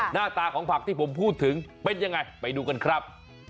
หน้าตาของผักที่ผมพูดถึงเป็นยังไงไปดูกันครับ